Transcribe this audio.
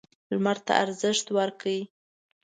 لمر ته ارزښت ورکړئ.